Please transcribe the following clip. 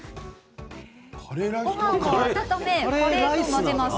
ごはんを温め、カレーと混ぜます。